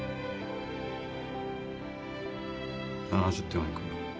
７０点はいくよ。